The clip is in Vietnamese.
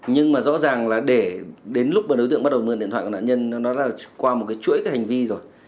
nhưng mà rõ ràng là để đến lúc mà đối tượng bắt đầu mượn điện thoại của nạn nhân đó là qua một cái chuỗi cái hành vi rồi